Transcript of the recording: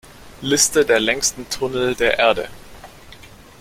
Liste der längsten Tunnel der Erde